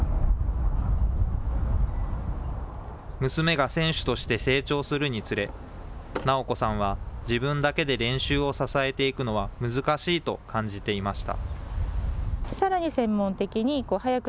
娘が選手として成長するにつれ、尚子さんは、自分だけで練習を支えていくのは難しいと感じていました。